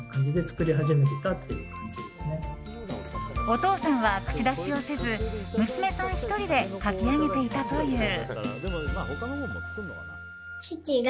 お父さんは口出しをせず娘さん１人で書き上げていたという。